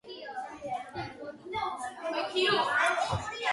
მდინარესთან ახლოს არაერთი დასახლებული პუნქტი მდებარეობს.